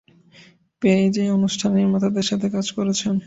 Page এই অনুষ্ঠানের নির্মাতাদের সাথে কাজ করেছেন।